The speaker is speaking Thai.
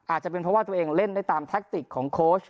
อาจจะเป็นเพราะว่าตัวเองเล่นได้ตามแท็กติกของโค้ช